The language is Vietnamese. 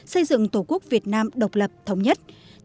xây dựng tổ quốc việt nam độc lập thống nhất